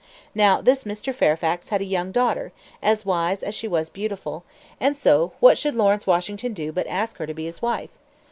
Now this Mr. Fairfax had a young daughter, as wise as she was beautiful; and so, what should Lawrence Washington do but ask her to be his wife?